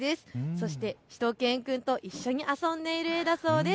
そしてしゅと犬くんと一緒に遊んでいる絵だそうです。